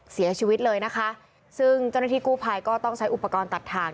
เสียชีวิตเลยนะคะซึ่งเจ้าหน้าที่กู้ภัยก็ต้องใช้อุปกรณ์ตัดถ่าง